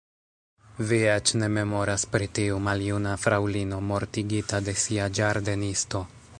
Vi eĉ ne memoras pri tiu maljuna fraŭlino mortigita de sia ĝardenisto.